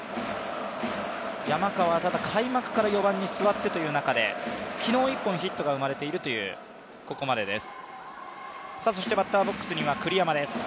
山川は開幕から４番に座ってという中で、昨日１本ヒットが生まれているという、ここまでです。